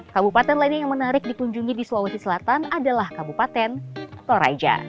kabupaten lain yang menarik dikunjungi di sulawesi selatan adalah kabupaten toraja